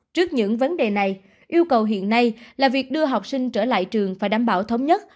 trước những vấn đề này yêu cầu hiện nay là việc đưa học sinh trở lại trường phải đảm bảo thống nhất